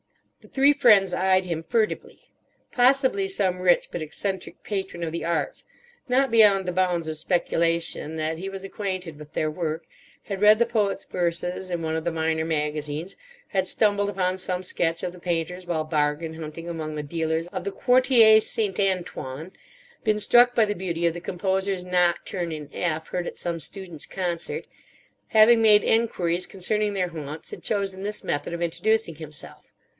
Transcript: The three friends eyed him furtively: possibly some rich but eccentric patron of the arts; not beyond the bounds of speculation that he was acquainted with their work, had read the Poet's verses in one of the minor magazines, had stumbled upon some sketch of the Painter's while bargain hunting among the dealers of the Quartier St. Antoine, been struck by the beauty of the Composer's Nocturne in F heard at some student's concert; having made enquiries concerning their haunts, had chosen this method of introducing himself.